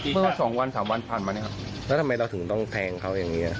เมื่อสองวันสามวันผ่านมานะครับแล้วทำไมเราถึงต้องแทงเขาอย่างนี้